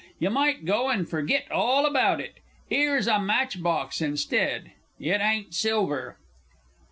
You might go and forgit all about it. 'Ere's a match box instead; it ain't silver!